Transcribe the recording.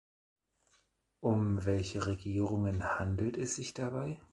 Um welche Regierungen handelt es sich dabei?